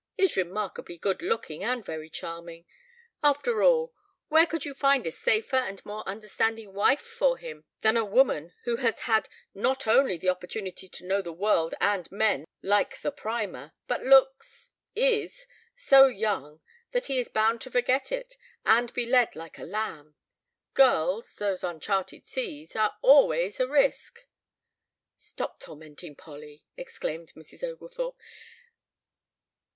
is remarkably good looking and very charming. After all, where could you find a safer and more understanding wife for him than a woman who has had not only the opportunity to know the world and men like the primer, but looks is so young that he is bound to forget it and be led like a lamb? Girls, those uncharted seas, are always a risk " "Stop tormenting Polly," exclaimed Mrs. Oglethorpe.